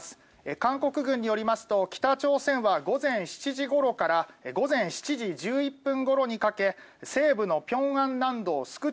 韓国軍によりますと北朝鮮は午前７時ごろから午前７時１１分ごろにかけ西部の平安南道粛川